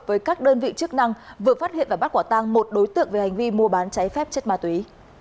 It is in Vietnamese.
với các đơn vị chức năng vừa phát hiện và bắt quả tang một đối tượng về hành vi mua bán cháy phép chất ma túy